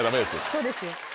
そうですよ。